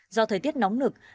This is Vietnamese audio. do thời tiết nóng nực